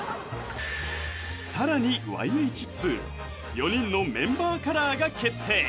さらにｙＨ２４人のメンバーカラーが決定